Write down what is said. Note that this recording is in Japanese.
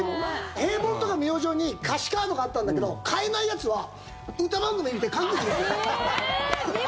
「平凡」とか「明星」に歌詞カードがあったんだけど買えないやつは歌番組見て書く。